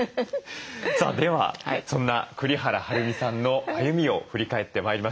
さあではそんな栗原はるみさんの歩みを振り返ってまいりましょう。